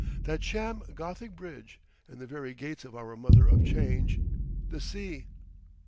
That sham Gothic bridge; in the very gates of our mother of change, the Sea!